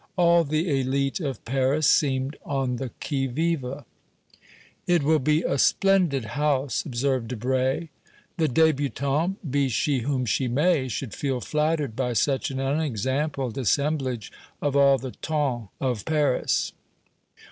All the élite of Paris seemed on the qui vive. "It will be a splendid house," observed Debray. "The débutante, be she whom she may, should feel flattered by such an unexampled assemblage of all the ton of Paris."